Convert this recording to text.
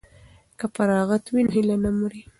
که فراغت وي نو هیله نه مري.